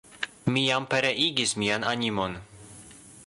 Mi jam pereigis mian animon!